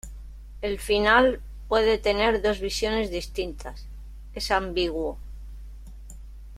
El final puede tener dos visiones distintas, es ambiguo.